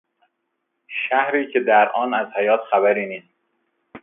شهری که در آن از حیات خبری نیست.